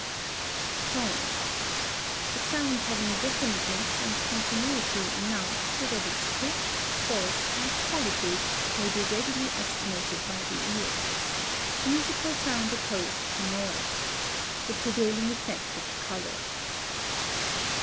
TONE. A sound having definiteness and continuity enough so that its pitch, force, and quality may be readily estimated by the ear. Musical sound opposed to noise. The prevailing effect of a color.